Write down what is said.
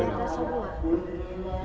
di atas semua